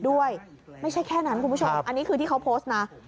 ด้วยไม่ใช่แค่นั้นคุณผู้ชมอันนี้คือที่เขาโพสต์นะ